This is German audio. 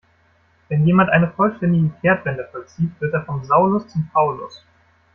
Wenn jemand eine vollständige Kehrtwende vollzieht, wird er vom Saulus zum Paulus.